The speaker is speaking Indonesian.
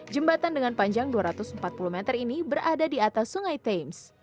jembatan dengan panjang dua ratus empat puluh meter ini berada di atas sungai thames